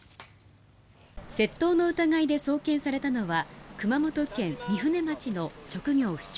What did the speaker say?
窃盗の疑いで送検されたのは熊本県御船町の職業不詳